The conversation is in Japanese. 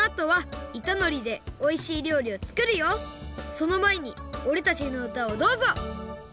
そのまえにおれたちのうたをどうぞ「